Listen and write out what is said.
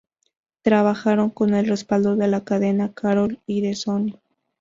Trabajaron con el respaldo de la cadena Caracol y de Sony.